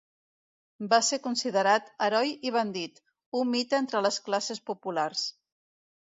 Va ser considerat heroi i bandit, un mite entre les classes populars.